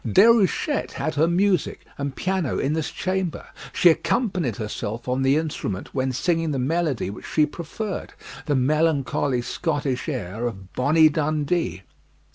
Déruchette had her music and piano in this chamber; she accompanied herself on the instrument when singing the melody which she preferred the melancholy Scottish air of "Bonnie Dundee."